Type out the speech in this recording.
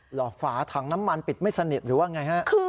เหรอฝาถังน้ำมันปิดไม่สนิทหรือว่าไงฮะ